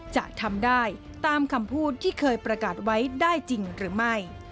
จะทำได้ตามคำพูดที่เคยประกาศไว้ได้จริงหรือไม่